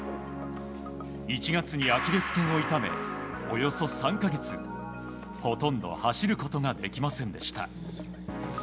１月にアキレス腱を痛めおよそ３か月ほとんど走ることができませんでした。